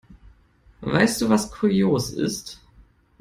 Weißt du, was kurios ist?